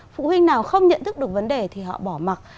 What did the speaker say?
phụ huynh nào không nhận thức được vấn đề thì họ bỏ mặt